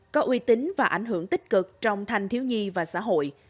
có uy tín và ảnh hưởng tích cực trong thanh thiếu nhi và xã hội